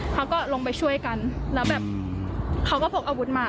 เขาก็ลงไปช่วยกันแล้วแบบเขาก็พกอาวุธมา